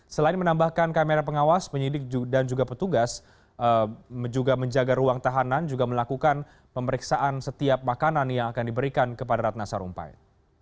selain menambahkan kamera pengawas penyidik dan juga petugas juga menjaga ruang tahanan juga melakukan pemeriksaan setiap makanan yang akan diberikan kepada ratna sarumpait